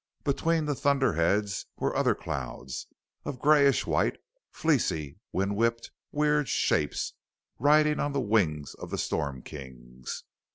Between the thunder heads were other clouds, of grayish white, fleecy, wind whipped, weird shapes, riding on the wings of the Storm Kings.